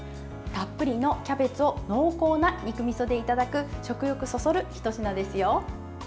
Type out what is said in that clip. たっぷりのキャベツを濃厚な肉みそでいただく食欲そそる、ひと品ですよ。